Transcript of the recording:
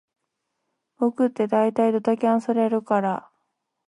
僕ってだいたいドタキャンされるから